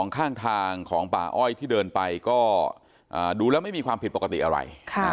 ข้างทางของป่าอ้อยที่เดินไปก็ดูแล้วไม่มีความผิดปกติอะไร